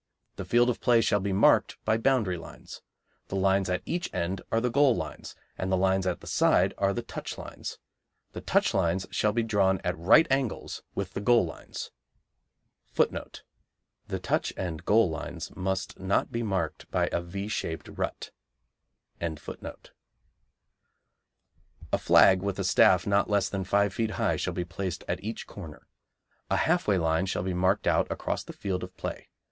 The field of play shall be marked by boundary lines. The lines at each end are the goal lines, and the lines at the side are the touch lines. The touch lines shall be drawn at right angles with the goal lines[A]. A flag with a staff not less than five feet high shall be placed at each corner. A half way line shall be marked out across the field of play.